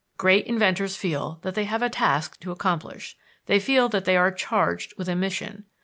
Great inventors feel that they have a task to accomplish; they feel that they are charged with a mission.